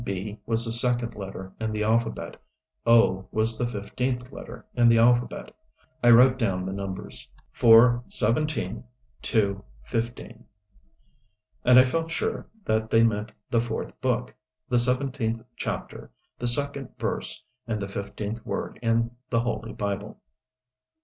"B" was the second letter in the alphabet. "O" was the fifteenth letter in the alphabet. I wrote down the numbers: 4 17 2 15 And I felt sure that they meant the fourth book, the seventeenth chapter, the second verse and the fifteenth word in the Holy Bible.